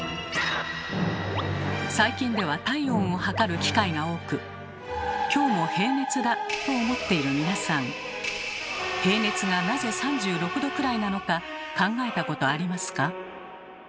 最近では体温を測る機会が多く「今日も平熱だ」と思っている皆さん平熱がなぜ３６℃くらいなのか考えたことありますか？